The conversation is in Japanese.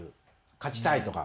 勝ちたいとか。